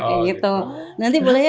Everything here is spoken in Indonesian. kayak gitu nanti boleh ya